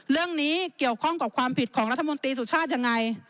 เรื่องนี้เกี่ยวข้องกับความผิดของรัฐมนตรีสุชาติยังไง